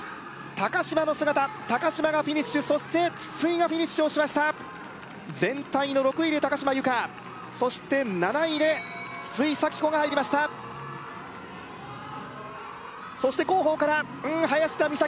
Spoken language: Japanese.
高島の姿高島がフィニッシュそして筒井がフィニッシュをしました全体の６位で高島由香そして７位で筒井咲帆が入りましたそして後方からうん林田美咲